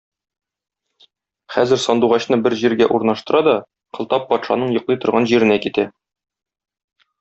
Хәзер Сандугачны бер җиргә урнаштыра да Кылтап патшаның йоклый торган җиренә китә.